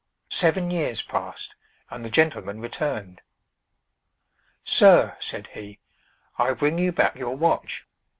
Seven years passed, and the gentleman returned. "Sir," said he, "I bring you back your watch."